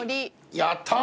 やった！